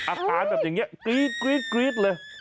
อาการแบบอย่างนี้กรี๊ดเลย